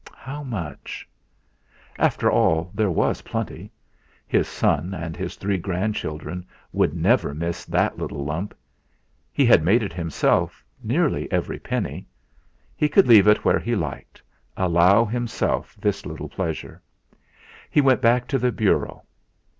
'How much?' After all, there was plenty; his son and his three grandchildren would never miss that little lump. He had made it himself, nearly every penny; he could leave it where he liked, allow himself this little pleasure. He went back to the bureau.